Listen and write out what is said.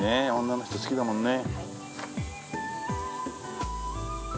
女の人好きだもんね。